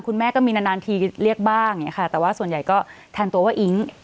คุณแม่ก็มีนานทีเรียกบ้างแต่ว่าส่วนใหญ่ก็แทนตัวว่าอิง